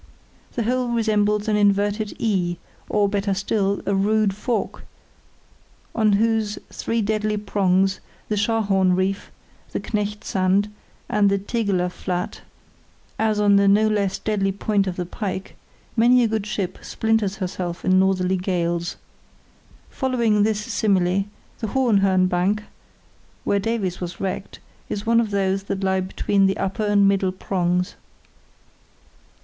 The whole resembles an inverted E, or, better still, a rude fork, on whose three deadly prongs, the Scharhorn Reef, the Knecht Sand, and the Tegeler Flat, as on the no less deadly point of the pike, many a good ship splinters herself in northerly gales. Following this simile, the Hohenhörn bank, where Davies was wrecked, is one of those that lie between the upper and middle prongs.